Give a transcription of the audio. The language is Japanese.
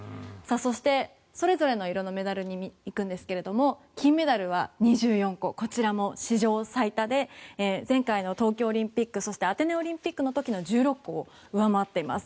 そして、それぞれの色のメダルに行くんですが金メダルは２４個こちらも史上最多で前回の東京オリンピックそしてアテネオリンピックの時の１６個を上回っています。